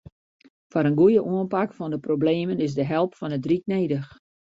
Foar in goeie oanpak fan de problemen is de help fan it ryk nedich.